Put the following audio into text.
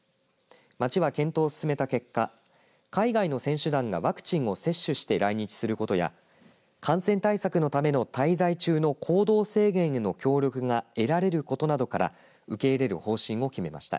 町は検討を進めた結果海外の選手団がワクチンを接種して来日することや感染対策のための滞在中の行動制限への協力が得られることなどから受け入れる方針を決めました。